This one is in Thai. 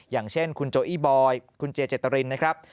อย่างเช่นคุณโจอี้บอยคุณเจเจตรินนะครับ